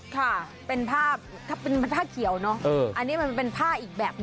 ค่ะเป็นผ้าครับเป็นผ้าเขียวเนอะเอออันนี้มันเป็นผ้าอีกแบบนึง